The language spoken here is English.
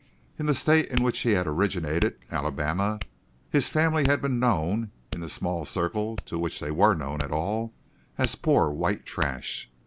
In the State in which he had originated, Alabama, his family had been known, in the small circle to which they were known at all, as poor white trash.